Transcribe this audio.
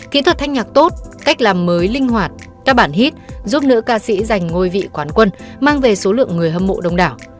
kỹ thuật thanh nhạc tốt cách làm mới linh hoạt các bản hít giúp nữ ca sĩ giành ngôi vị quán quân mang về số lượng người hâm mộ đông đảo